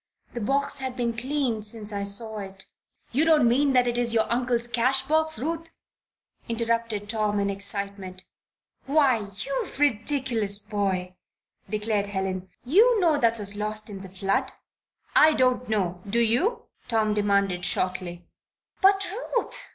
The box has been cleaned since I saw it " "You don't mean that it is your uncle's cash box, Ruth?" interrupted Tom, in excitement. "Why, you ridiculous boy!" declared Helen. "You know that was lost in the flood." "I don't know. Do you?" Tom demanded, shortly. "But, Ruth!"